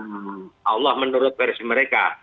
allah menurut versi mereka